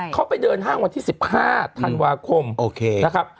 เขาไปเดินห้างวันที่๑๕ธันวาคมนะครับ